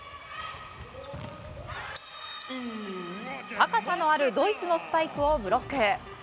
高さのあるドイツのスパイクをブロック。